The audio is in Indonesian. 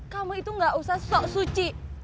kamu itu gak usah sok suci